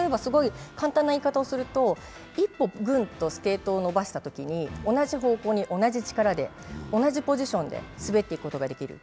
簡単な言い方をすると、一歩、グンとスケートを伸ばしたときに同じ方向で同じ力で同じポジションで滑っていくことができる。